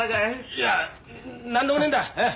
いや何でもねえんだ。